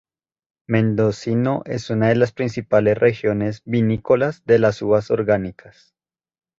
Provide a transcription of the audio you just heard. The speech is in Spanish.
Mendocino es una de las principales regiones vinícolas de las uvas orgánicas.